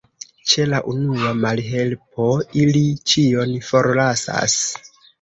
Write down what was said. Ĉe la unua malhelpo, ili ĉion forlasas.